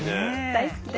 大好き。